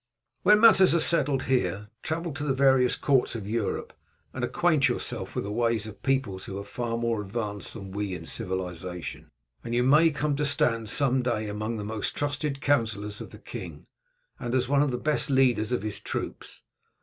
"When matters are settled here, travel to the various courts of Europe and acquaint yourself with the ways of peoples who are far more advanced than we in civilization, and you may come to stand some day among the most trusted councillors of the king, and as one of the best leaders of his troops.